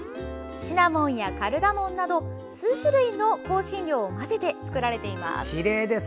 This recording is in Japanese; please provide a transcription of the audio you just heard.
シナモンやカルダモンなど数種類の香辛料を混ぜて作られています。